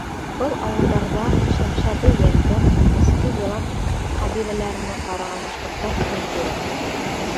Был ауылдарҙа шәмшәде-йәлдәк, эске йылан ҡәбиләләренә ҡараған башҡорттар көн күрә.